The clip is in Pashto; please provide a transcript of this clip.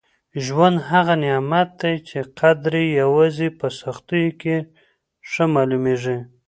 ژوند هغه نعمت دی چي قدر یې یوازې په سختیو کي ښه معلومېږي.